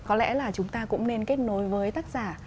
có lẽ là chúng ta cũng nên kết nối với tác giả